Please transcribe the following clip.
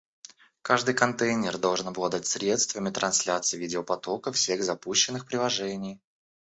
Каждый контейнер должен обладать средствами трансляции видеопотока всех запущенных приложений